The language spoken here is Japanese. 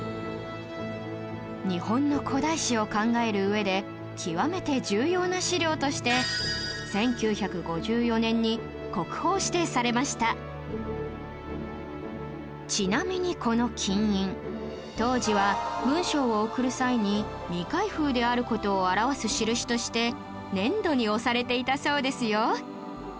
日本の古代史を考える上で極めて重要な史料としてちなみにこの金印当時は文書を送る際に未開封である事を表す印として粘土に押されていたそうですよ